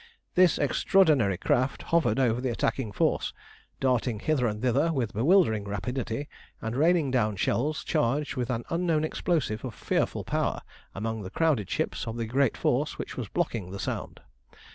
This extraordinary craft hovered over the attacking force, darting hither and thither with bewildering rapidity, and raining down shells charged with an unknown explosive of fearful power among the crowded ships of the great force which was blocking the Sound.